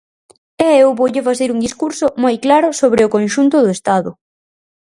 E eu voulle facer un discurso moi claro sobre o conxunto do Estado.